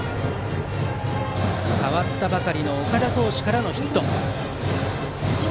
代わったばかりの岡田投手からのヒット。